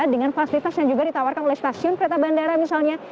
dengan fasilitas yang juga ditawarkan oleh stasiun kereta bandara misalnya